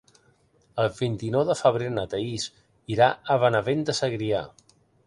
El vint-i-nou de febrer na Thaís irà a Benavent de Segrià.